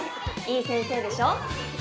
いい先生でしょ。